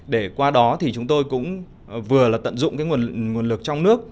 để qua đó thì chúng tôi cũng vừa là tận dụng nguồn lực trong nước